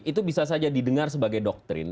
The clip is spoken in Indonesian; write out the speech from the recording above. itu bisa saja didengar sebagai doktrin